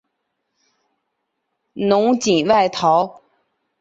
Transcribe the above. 侬锦外逃。